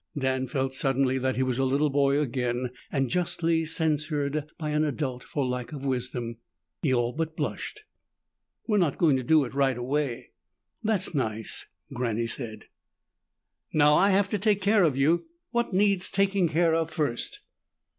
Dan felt suddenly that he was a little boy again, and justly censured by an adult for lack of wisdom. He all but blushed. "We're not going to do it right away." "That's nice," Granny said. "Now I have to take care of you. What needs taking care of first?"